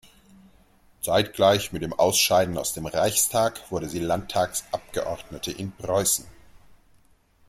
Zeitgleich mit dem Ausscheiden aus dem Reichstag wurde sie Landtagsabgeordnete in Preußen.